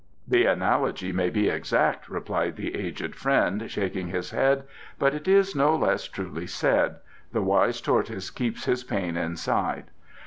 "The analogy may be exact," replied the aged friend, shaking his head, "but it is no less truly said: 'The wise tortoise keeps his pain inside.